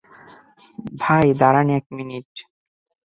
ভাই, দাঁড়ান এক মিনিট।